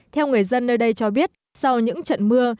theo người dân nơi đây cho biết sau những trận mưa